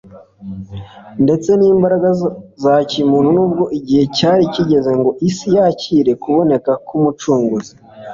ndetse n'imbaraga za kimuntu nubwo igihe cyari kigeze ngo isi yakire kuboneka k'Umucunguzi.